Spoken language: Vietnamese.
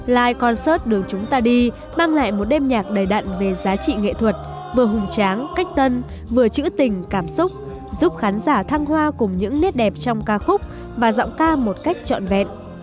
li concert đường chúng ta đi mang lại một đêm nhạc đầy đặn về giá trị nghệ thuật vừa hùng tráng cách tân vừa chữ tình cảm xúc giúp khán giả thăng hoa cùng những nét đẹp trong ca khúc và giọng ca một cách trọn vẹn